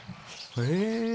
へえ！